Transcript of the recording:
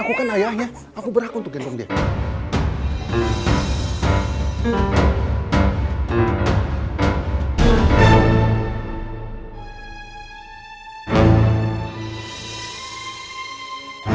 aku kan ayahnya aku beraku untuk gendong dia